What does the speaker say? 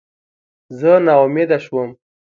زه ناامیده شوم.